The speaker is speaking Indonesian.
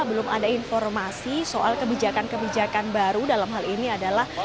belum ada informasi soal kebijakan kebijakan baru dalam hal ini adalah